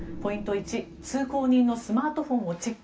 １通行人のスマートフォンをチェック。